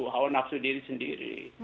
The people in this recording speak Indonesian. hawa nafsu diri sendiri